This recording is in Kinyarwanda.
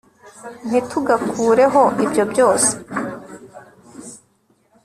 ntitugakureho ibyo byose